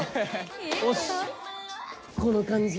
よしこの感じ